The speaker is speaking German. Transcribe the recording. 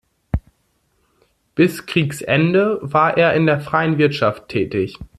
Bis Kriegsende war er in der freien Wirtschaft tätig.